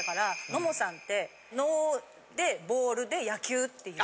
のぼさんって「の」で「ボール」で野球っていう。